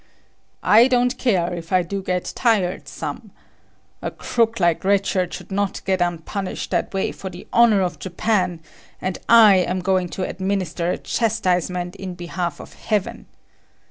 "I don't care if I do get tired some. A crook like Red Shirt should not go unpunished that way for the honor of Japan, and I am going to administer a chastisement in behalf of heaven."